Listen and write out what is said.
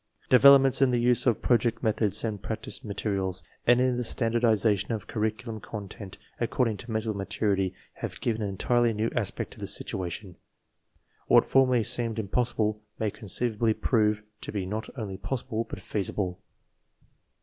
* Developments in the use of project methods and prac tice materials and in the standardization of curriculum content according to mental maturity have given an i '. THE PROBLEM 17 entirely new aspect to the situation. What formerly seemed impossible may conceivably prove to be not only possible, but feasible.